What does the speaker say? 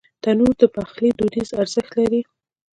تنور د پخلي دودیز ارزښت لري